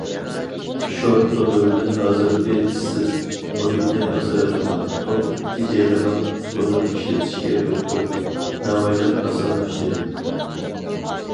شور تونۇردىن ھازىرقى ئىسسىز، مۇھىتنى ئاسرايدىغان، توك تېجەيدىغان تونۇر ئىشلىتىشكە ئۆتتۇق، ناۋايلىق ئاسانلاشتى.